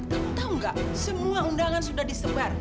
kamu tau gak semua undangan sudah disebar